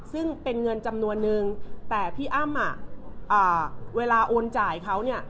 ซึ่งเป็นเงินจำนวนนึงแต่พี่อ้ำเวลาโอนจ่ายเขาเนี่ย